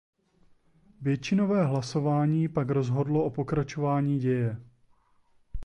Většinové hlasování pak rozhodlo o pokračování děje.